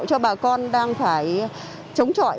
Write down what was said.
cho bà con đang phải chống chọi